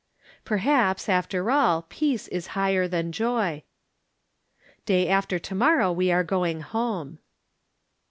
Perhaps, after all, peace is higher than joy. Day after to morrow we are going home.